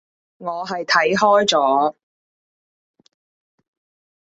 我係睇開咗